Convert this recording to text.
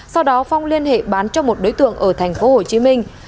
sau đó phong liên hệ bán cho một đối tượng ở thành phố hồ chí minh